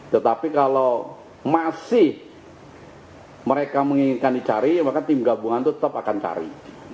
tetapi kalau masih mereka menginginkan dicari maka tim gabungan itu tetap akan cari